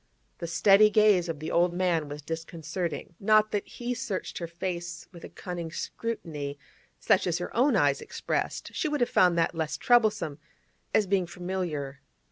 The steady gaze of the old man was disconcerting. Not that he searched her face with a cunning scrutiny, such as her own eyes expressed; she would have found that less troublesome, as being familiar.